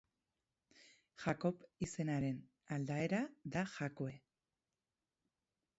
Jakob izenaren aldaera da Jakue.